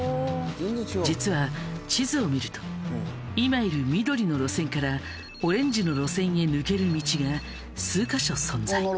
実は地図を見ると今いる緑の路線からオレンジの路線へ抜ける道が数か所存在。